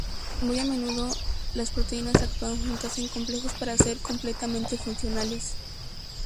Muy a menudo las proteínas actúan juntas en complejos para ser completamente funcionales.